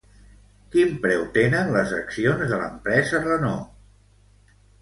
Quin preu tenen les accions de l'empresa Renault?